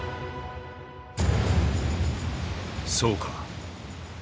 そうか。